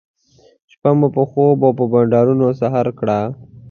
شپه مو په خوب او بانډار سهار کړه.